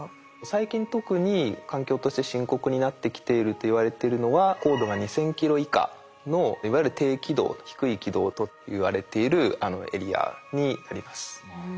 最近特に環境として深刻になってきているといわれてるのは高度が２，０００ｋｍ以下のいわゆる低軌道低い軌道といわれているエリアになります。